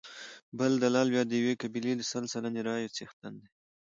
بل دلال بیا د یوې قبیلې د سل سلنې رایو څښتن دی.